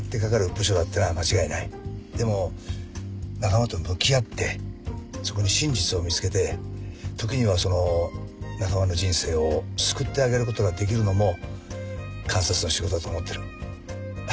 でも仲間と向き合ってそこに真実を見つけて時にはその仲間の人生を救ってあげる事ができるのも監察の仕事だと思ってる。